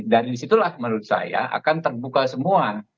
dari situlah menurut saya akan terbuka semua